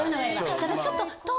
ただちょっと。